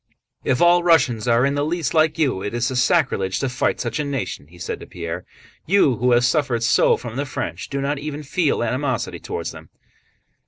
"If all Russians are in the least like you, it is sacrilege to fight such a nation," he said to Pierre. "You, who have suffered so from the French, do not even feel animosity toward them."